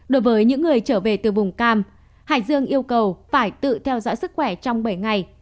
đối với những người trở về từ vùng cam hải dương yêu cầu phải tự theo dõi sức khỏe trong bảy ngày